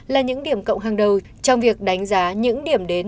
là những điểm cộng hàng đầu trong việc đánh giá những điểm đến